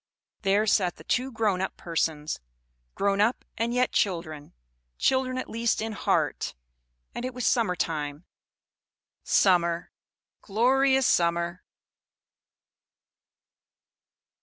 There sat the two grown up persons; grown up, and yet children; children at least in heart; and it was summer time; summer, glorious summer!